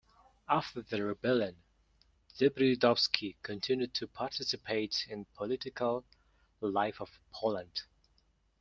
After the rebellion, Zebrzydowski continued to participate in political life of Poland.